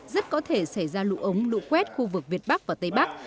rất có thể xảy ra lũ ống lũ quét khu vực việt bắc và tây bắc